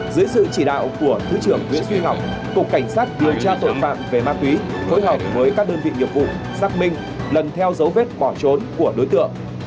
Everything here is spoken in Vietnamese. dưới sự chỉ đạo của thứ trưởng nguyễn duy ngọc cục cảnh sát điều tra tội phạm về ma túy phối hợp với các đơn vị nghiệp vụ xác minh lần theo dấu vết bỏ trốn của đối tượng